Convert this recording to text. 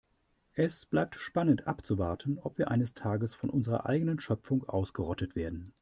Es bleibt spannend abzuwarten, ob wir eines Tages von unserer eigenen Schöpfung ausgerottet werden.